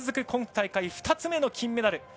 今大会２つ目の金メダル。